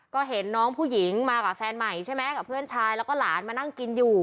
ก็เห็นน้องผู้หญิงมากับแฟนใหม่ใช่ไหมกับเพื่อนชายแล้วก็หลานมานั่งกินอยู่